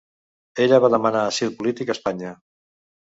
Ella va demanar asil polític a Espanya.